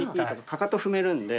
かかと踏めるんで。